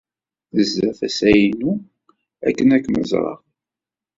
Tezza tasa-inu akken ad kem-ẓreɣ.